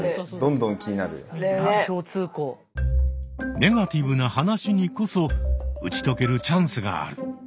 ネガティブな話にこそ打ち解けるチャンスがある。